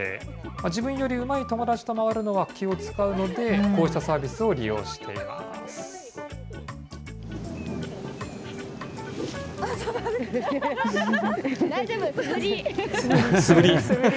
自分よりうまい友達と回るのは気を遣うので、こうしたサービスを利用しています。